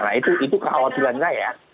nah itu kekhawatiran saya